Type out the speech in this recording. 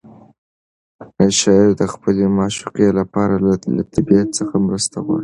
شاعر د خپلې معشوقې لپاره له طبیعت څخه مرسته غواړي.